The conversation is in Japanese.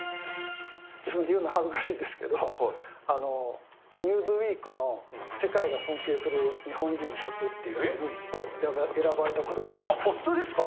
自分で言うの恥ずかしいんですけど、ニューズウィークの世界が尊敬する日本人１００っていうやつに、本当ですか？